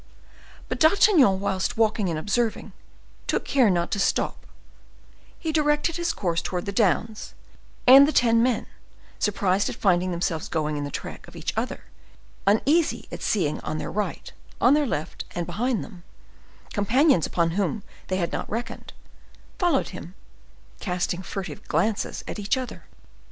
But D'Artagnan, whilst walking and observing, took care not to stop; he directed his course towards the downs, and the ten men—surprised at finding themselves going in the track of each other, uneasy at seeing on their right, on their left, and behind them, companions upon whom they had not reckoned—followed him, casting furtive glances at each other.